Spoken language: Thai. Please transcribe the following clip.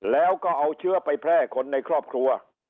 แล้วก็เอาเชื้อไปแพร่คนในครอบครัว